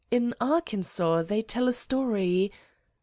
In Arkansas they tell a story.